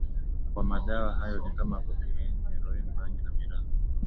wa madawa hayo ni kama kokaini heroini bangi na miraa